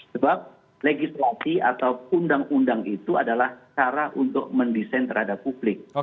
sebab legislasi atau undang undang itu adalah cara untuk mendesain terhadap publik